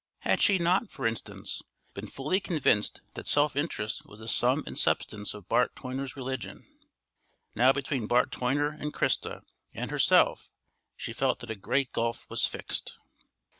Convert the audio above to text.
Had she not, for instance, been fully convinced that self interest was the sum and substance of Bart Toyner's religion? Now between Bart Toyner and Christa and herself she felt that a great gulf was fixed.